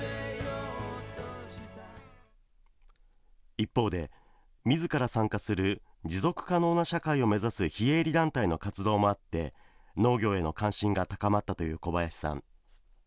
一方で、みずから参加する持続可能な社会を目指す非営利団体の活動もあって農業への関心が高まったという小林さん。